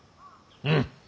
うん。